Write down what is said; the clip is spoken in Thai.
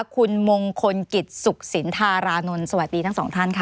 คุณมงคลกิจสุขสินธารานนท์สวัสดีทั้งสองท่านค่ะ